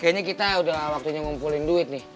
kayaknya kita udah waktunya ngumpulin duit nih